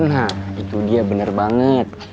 nah itu dia bener banget